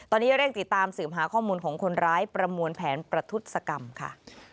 ตอนนี้เร่งติดตามสืบหาข้อมูลของคนร้ายประมวลแผนประทุศกรรมค่ะ